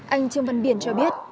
anh trương văn biển cho biết